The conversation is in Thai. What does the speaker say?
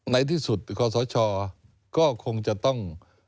ไหนที่สุดเพราะสชก็คงจะต้อง